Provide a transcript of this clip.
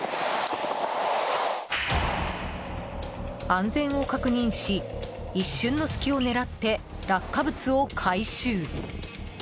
安全を確認し、一瞬の隙を狙って落下物を回収。